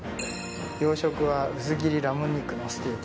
洋食は薄切りラム肉のステーキ。